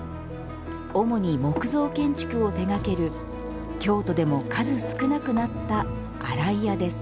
主に木造建築を手がける京都でも数少なくなった洗い屋です